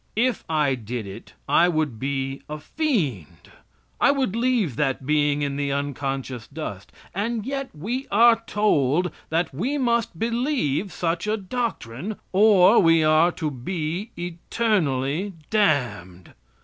If I did it, I would be a fiend. I would leave that being in the unconscious dust. And yet we are told that we must believe such a doctrine, or we are to be eternally damned!